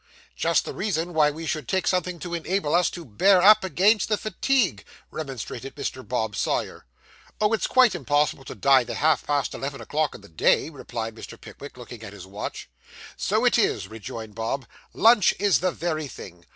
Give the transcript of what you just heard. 'Just the reason why we should take something to enable us to bear up against the fatigue,' remonstrated Mr. Bob Sawyer. 'Oh, it's quite impossible to dine at half past eleven o'clock in the day,' replied Mr. Pickwick, looking at his watch. 'So it is,' rejoined Bob, 'lunch is the very thing.